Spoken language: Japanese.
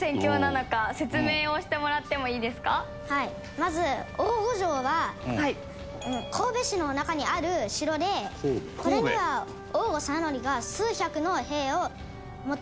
まず淡河城は神戸市の中にある城でこれには淡河定範が数百の兵を持っています。